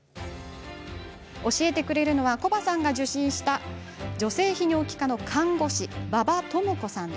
教えてくれるのはコバさんが受診した女性泌尿器科の看護師馬場智子さん。